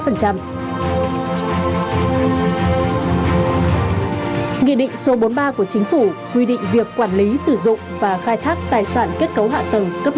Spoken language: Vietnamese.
nghị định số bốn một